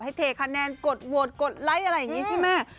เทคะแนนกดโหวตกดไลค์อะไรอย่างนี้ใช่ไหม